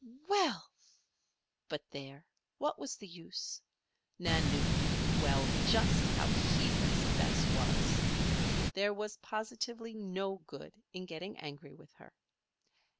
"Well!" But there! What was the use? Nan knew well just how heedless Bess was. There was positively no good in getting angry with her.